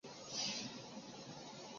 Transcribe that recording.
而各地文化也促进了这个变化。